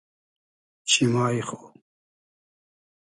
چیمای خو